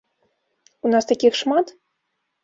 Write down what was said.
У нас такіх шмат?